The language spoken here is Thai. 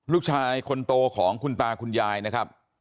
ลูกชายคนโตของคุณตาคุณยายนะครับ